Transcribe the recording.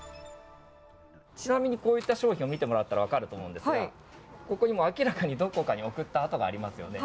ちなみにこういった商品を見てもらったら分かると思うんですが、ここに明らかに、どこかに送った跡がありますよね。